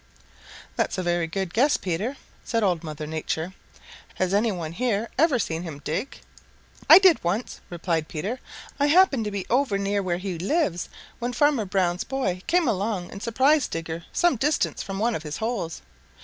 "That's a very good guess, Peter," said Old Mother Nature. "Has any one here ever seen him dig?" "I did once," replied Peter. "I happened to be over near where he lives when Farmer Brown's boy came along and surprised Digger some distance from one of his holes.